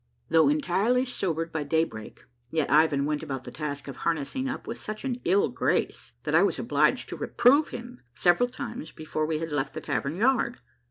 Though entirely sobered by daybreak, yet Ivan went about the task of harnessing up with such an ill grace that I was obliged to reprove him several times before we had left the tavern yard.